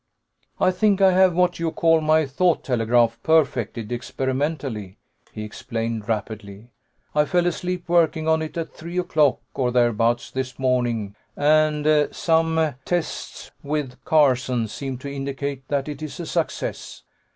"I think I have what you call my thought telegraph perfected, experimentally," he explained rapidly. "I fell asleep working on it at three o'clock, or thereabouts, this morning, and some tests with Carson seem to indicate that it is a success.